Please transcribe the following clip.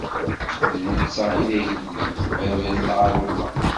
D netta i d agellid, bab n lɛaḍima!